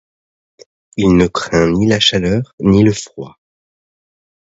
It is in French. Il ne craint ni la chaleur ni le froid.